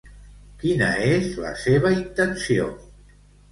Quina és la seva intenció?